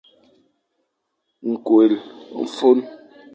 Ñkwel ô fôn.